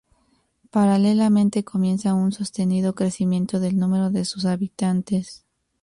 Paralelamente comienza un sostenido crecimiento del número de sus habitantes.